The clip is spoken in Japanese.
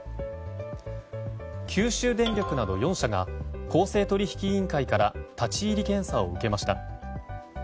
九州電力など４社が公正取引委員会から立ち入り検査を受けました。